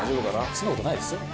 そんな事ないですよ。